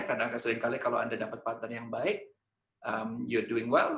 karena seringkali kalau anda dapat partner yang baik you're doing well